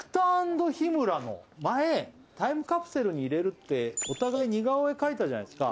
前にタイムカプセルに入れるってお互い似顔絵を描いたじゃないですか。